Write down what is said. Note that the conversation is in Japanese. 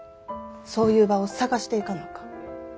そういう場を探していかなあかん。